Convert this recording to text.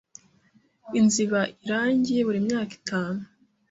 Inzu iba irangi buri myaka itanu.